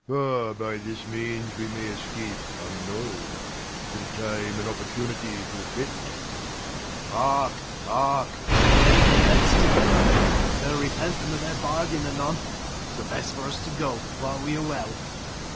For by this means we may escape unknown, Till time and opportunity do fit. Second Mar. Hark, hark, they are laying their heads together, 40 They'll repent them of their bargain anon, 'Twere best for us to go while we are well.